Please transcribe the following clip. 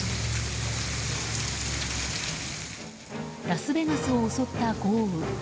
ラスベガスを襲った豪雨。